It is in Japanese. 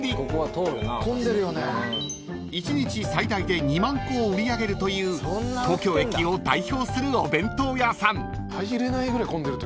［１日最大で２万個を売り上げるという東京駅を代表するお弁当屋さん］